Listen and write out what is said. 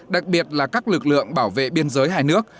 đặc biệt là các lực lượng bảo vệ biên giới hai nước